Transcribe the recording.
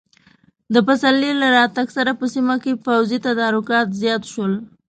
د پسرلي له راتګ سره په سیمه کې پوځي تدارکات زیات شول.